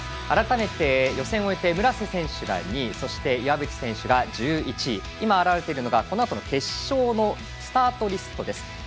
改めて予選を終えて村瀬選手が２位そして岩渕選手が１１位今、出ているのがこのあとの決勝のスタートリスト。